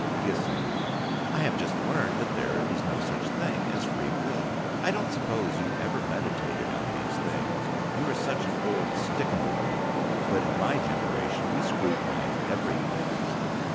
GISSING: I have just learned that there is no such thing as free will. I don't suppose you ever meditated on these things, you are such an old stick in the mud. But in my generation we scrutinize everything.